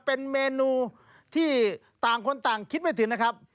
เป็นเมนูที่ต่างคนต่างคิดไม่ถึงนะครับ